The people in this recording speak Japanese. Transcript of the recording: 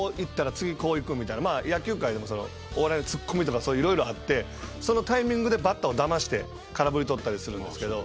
野球界でもお笑いのツッコミとかいろいろあってそのタイミングでバッターをだまして空振りを取ったりするんですけど。